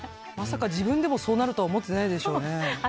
まさか自分でもそうなるとは思ってないでしょうね。